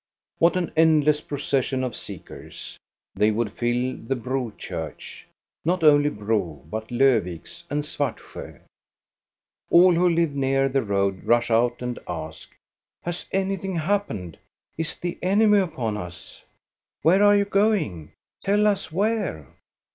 What an endless procession of seekers! They would fill the Bro church, — not only Bro, but Lof viks and Svartsjo. All who live near the road rush out and ask, " Has anything happened } Is the enemy upon us .^ Where are you going ? Tell us where.